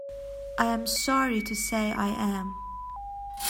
I am sorry to say I am.